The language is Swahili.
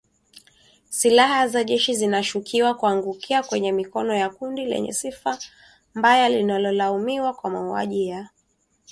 Silaha za jeshi zinashukiwa kuangukia kwenye mikono ya kundi lenye sifa mbaya linalolaumiwa kwa mauaji ya kikabila katika jimbo la kaskazini-mashariki la Ituri